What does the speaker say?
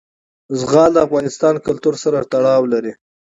زغال د افغان کلتور سره تړاو لري.